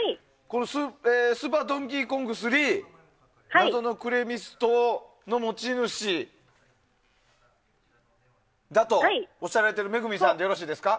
「スーパードンキーコング３謎のクレミス島」の持ち主だとおっしゃられているＭＥＧＵＭＩさんでよろしいですか。